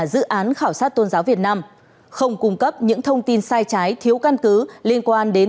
dự án khảo sát tôn giáo việt nam không cung cấp những thông tin sai trái thiếu căn cứ liên quan đến